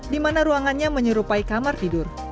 di mana ruangannya menyerupai kamar tidur